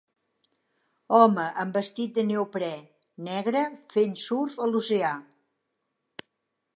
Home amb vestit de neoprè negre fent surf a l'oceà.